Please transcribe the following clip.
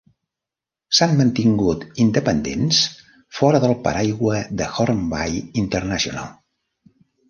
S'han mantingut independents fora del paraigua de Hornby International.